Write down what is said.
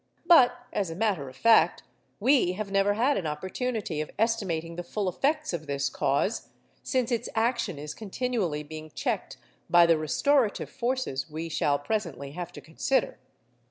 But, as a matter of fact, we have never had an opportunity of estimating the full effects of this cause, since its action is continually being checked by the restorative forces we shall presently have to consider.